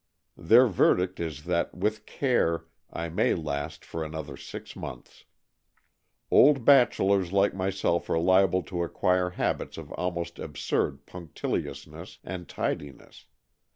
Their verdict is that with care I may last for another six months. Old bachelors like myself are liable to acquire habits of almost absurd punctiliousness and tidiness.